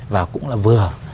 và cũng là vừa